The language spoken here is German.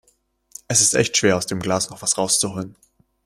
Es ist echt schwer, aus dem Glas noch was rauszuholen.